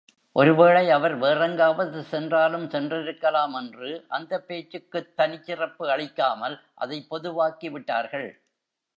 ஒருவேளை அவர் வேறெங்காவது சென்றாலும் சென்றிருக்கலாம் என்று அந்தப் பேச்சுக்குத் தனிச்சிறப்பு அளிக்காமல் அதைப் பொதுவாக்கி விட்டார்கள்.